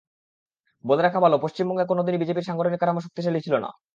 বলে রাখা ভালো, পশ্চিমবঙ্গে কোনো দিনই বিজেপির সাংগঠনিক কাঠামো শক্তিশালী ছিল না।